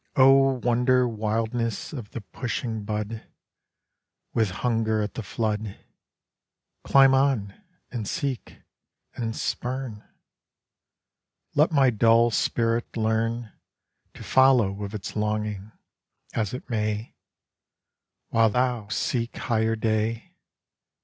O wonder wildness of the pushing Bud With hunger at the flood, Climb on, and seek, and spurn. Let my dull spirit learn To follow with its longing, as it may, While thou seek higher day.